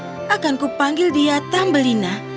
saya memanggil dia tambelina